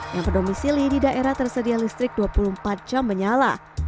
yang berdomisili di daerah tersedia listrik dua puluh empat jam menyala